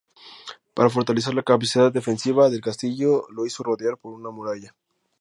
Para fortalecer la capacidad defensiva del castillo, lo hizo rodear por una muralla.